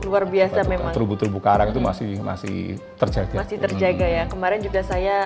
luar biasa memang terumbu terumbu karang itu masih masih terjaga masih terjaga ya kemarin juga saya